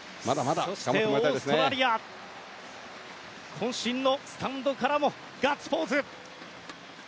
そしてオーストラリアこん身のスタンドからもガッツポーズ。